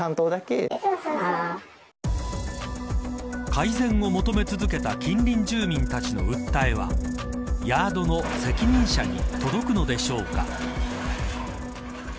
改善を求め続けた近隣住民たちの訴えはヤードの責任者に届くのでしょうか。